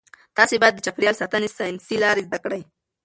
تاسي باید د چاپیریال ساتنې ساینسي لارې زده کړئ.